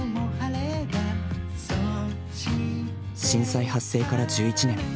震災発生から１１年。